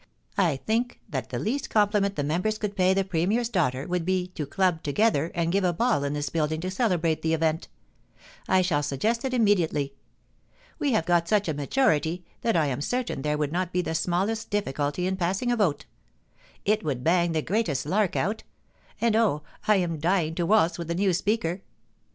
I think that (he least com pliment the members could pay the Premier's daughter would be to club together and give a ball in this building to celebrate the event I shall suggest it immediately. We have got such a majority that I am certain there would not be the smallest dilGculty in passing a vote It would bang the greatest lark out ; and oh, I am dying to waltz with the new Speaker.